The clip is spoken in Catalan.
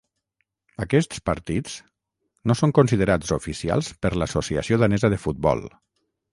Aquests partits no són considerats oficials per l'Associació Danesa de Futbol.